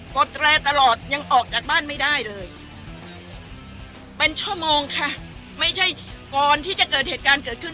ดแตรตลอดยังออกจากบ้านไม่ได้เลยเป็นชั่วโมงค่ะไม่ใช่ก่อนที่จะเกิดเหตุการณ์เกิดขึ้น